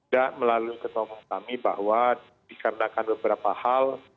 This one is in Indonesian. melalui ketua umum kami bahwa dikarenakan beberapa hal